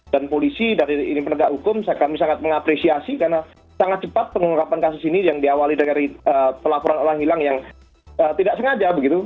dan polisi dari penegak hukum kami sangat mengapresiasi karena sangat cepat pengungkapan kasus ini yang diawali dari pelaporan orang hilang yang tidak sengaja begitu